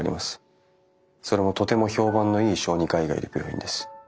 それもとても評判のいい小児科医がいる病院です。